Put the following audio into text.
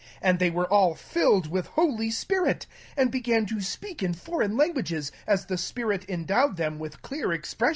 4 And they were all filled with a holy spirit: and began to speak in different languages, as the spirit gave them utter ance.